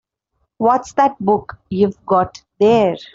What's that book you've got there?